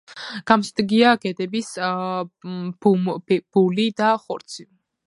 გამოსადეგია გედების ბუმბული და ხორცი.